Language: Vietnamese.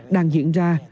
đang diễn ra